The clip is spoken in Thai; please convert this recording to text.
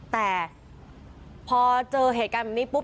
แต่พอเจอเหตุการณ์แบบนี้ปุ๊บ